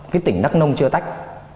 cái tỉnh đắk nông chưa tách